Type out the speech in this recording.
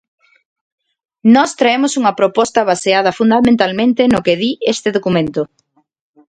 Nós traemos unha proposta baseada fundamentalmente no que di este documento.